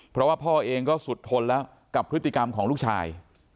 เพราะว่าพ่อเองก็สุดทนแล้วกับพฤติกรรมของลูกชาย